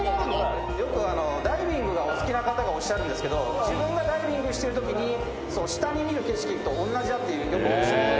よくダイビングがお好きな方がおっしゃるんですけど自分がダイビングしてるときに下に見る景色とおんなじだってよくおっしゃって。